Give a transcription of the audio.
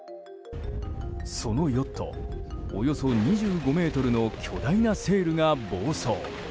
そのヨットおよそ２５ｍの巨大なセールが暴走。